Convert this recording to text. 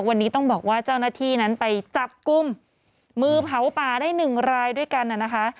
วันนี้ต้องบอกว่าเจ้าหน้าที่นั้นไปจับกลุ่มมือเผาป่าได้หนึ่งรายด้วยกันนะคะ